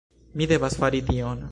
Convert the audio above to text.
Mi devas fari tion.